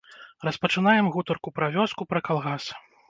Распачынаем гутарку пра вёску, пра калгас.